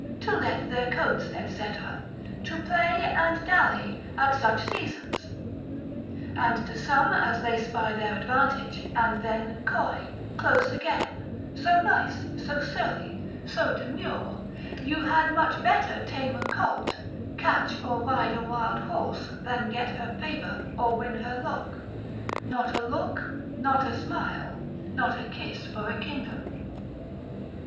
to let their coats, &c., to play and dally, at such seasons, and to some, as they spy their advantage; and then coy, close again, so nice, so surly, so demure, you had much better tame a colt, catch or ride a wild horse, than get her favour, or win her love, not a look, not a smile, not a kiss for a kingdom.